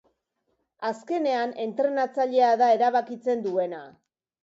Azkenean entrenatzailea da erabakitzen duena.